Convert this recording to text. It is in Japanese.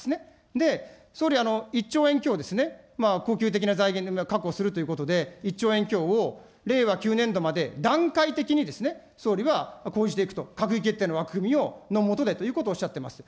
で、総理、１兆円強ですね、恒久的な財源を確保するということで、１兆円強を令和９年度まで段階的に総理は講じていくと、閣議決定の枠組みの下でということをおっしゃってます。